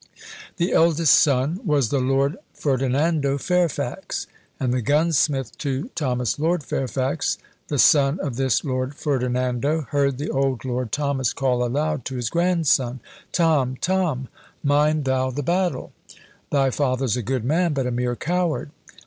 The eldest son was the Lord Ferdinando Fairfax and the gunsmith to Thomas Lord Fairfax, the son of this Lord Ferdinando, heard the old Lord Thomas call aloud to his grandson, "Tom! Tom! mind thou the battle! Thy father's a good man, but a mere coward!